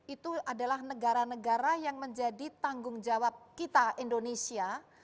itu adalah negara negara yang menjadi tanggung jawab kita indonesia